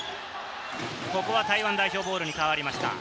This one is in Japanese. ここは台湾代表ボールに変わりました。